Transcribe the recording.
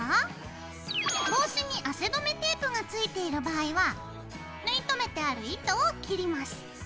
帽子に汗止めテープがついている場合は縫い留めてある糸を切ります。